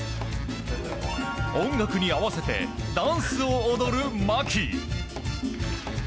音楽に合わせてダンスを踊る牧。